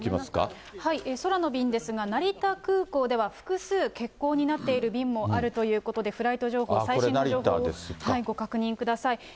空の便ですが、成田空港では複数欠航になっている便もあるということで、フライト情報、最新の情報をご確認ください。